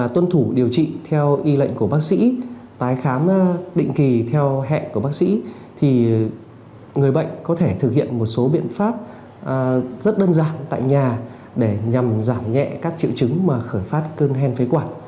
tuân thủ điều trị theo y lệnh của bác sĩ tái khám định kỳ theo hẹn của bác sĩ thì người bệnh có thể thực hiện một số biện pháp rất đơn giản tại nhà để nhằm giảm nhẹ các triệu chứng mà khởi phát cơn hen phế quản